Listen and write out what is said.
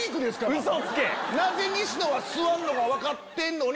なぜ西野は座るのが分かってるのに。